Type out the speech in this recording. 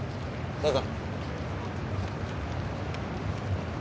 どうぞ。